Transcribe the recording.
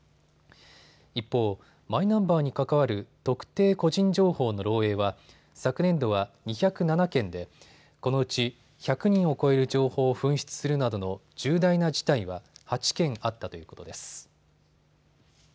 一方、マイナンバーに関わる特定個人情報の漏えいは昨年度は２０７件でこのうち１００人を超える情報を紛失するなどの重大な事態は８件あったということです。